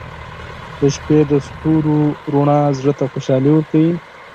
• د شپې د ستورو رڼا زړه ته خوشحالي ورکوي.